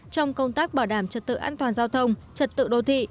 trong công tác bảo đảm trật tự an toàn giao thông trật tự đô thị